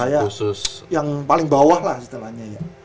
yang paling bawah lah setelahnya ya